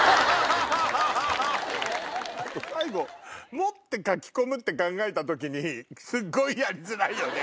最後持ってかき込むって考えた時にすっごいやりづらいよね